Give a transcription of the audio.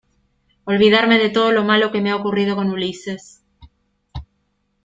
olvidarme de todo lo malo que me ha ocurrido con Ulises